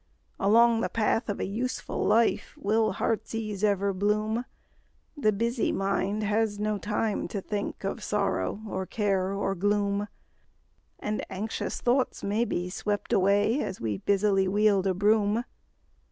Along the path of a useful life Will heart's ease ever bloom; The busy mind has no time to think Of sorrow, or care, or gloom; And anxious thoughts may be swept away As we busily wield a broom.